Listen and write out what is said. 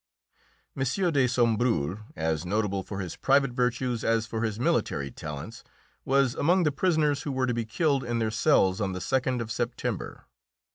M. de Sombreuil, as notable for his private virtues as for his military talents, was among the prisoners who were to be killed in their cells on the second of September.